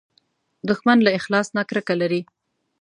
دښمن له اخلاص نه کرکه لري